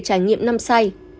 trải nghiệm năm say